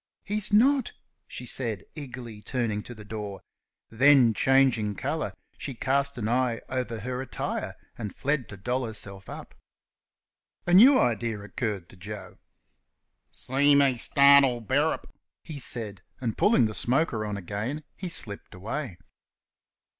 "He's not!" she said, eagerly turning to the door. Then, changing colour, she cast an eye over her attire, and fled to doll herself up. A new idea occurred to Joe. "See me startle Bearup!" he said, and pulling the smoker on again he slipped away.